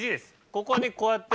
ここにこうやって。